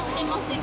今。